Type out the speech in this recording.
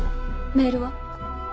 メールは？